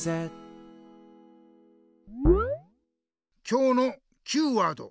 今日のＱワード